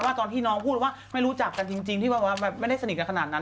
ตอนที่น้องพูดว่าไม่รู้จักกันจริงที่ไม่ได้สนิทกันขนาดนั้น